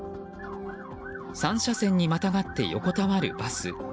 ３車線にまたがって横たわるバス。